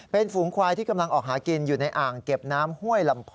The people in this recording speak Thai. เป็นฝูงควายที่กำลังออกหากินอยู่ในอ่างเก็บน้ำห้วยลำพอ